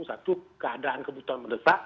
satu keadaan kebutuhan mendesak